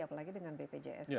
apalagi dengan bpjs